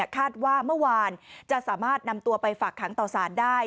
คาดว่าเมื่อวานจะสามารถนำตัวไปฝากขังต่อสารได้